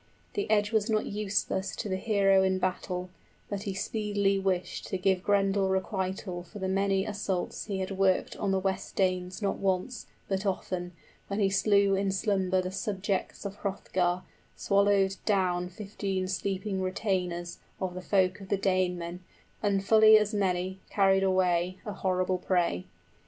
The edge was not useless 20 To the hero in battle, but he speedily wished to Give Grendel requital for the many assaults he Had worked on the West Danes not once, but often, When he slew in slumber the subjects of Hrothgar, Swallowed down fifteen sleeping retainers 25 Of the folk of the Danemen, and fully as many Carried away, a horrible prey.